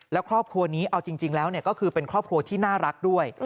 แล้วครอบครัวนี้เอาจริงแล้วก็คือเป็นครอบครัวที่น่ารักด้วย